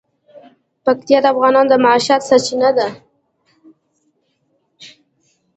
پکتیا د افغانانو د معیشت سرچینه ده.